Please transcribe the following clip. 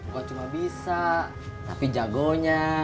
bukan cuma bisa tapi jagonya